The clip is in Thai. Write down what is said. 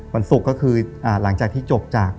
วันศุกร์ก็คือหลังจากที่จบจาก